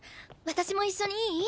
私も一緒にいい？